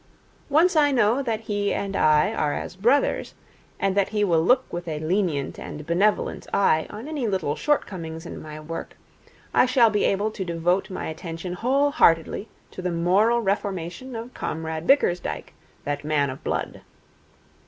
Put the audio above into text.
Once I know that he and I are as brothers, and that he will look with a lenient and benevolent eye on any little shortcomings in my work, I shall be able to devote my attention whole heartedly to the moral reformation of Comrade Bickersdyke, that man of blood.